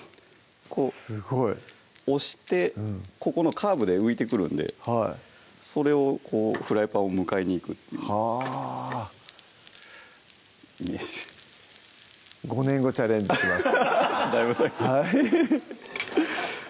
すごい押してここのカーブで浮いてくるんでそれをフライパンを迎えにいくっていうはぁイメージで５年後チャレンジします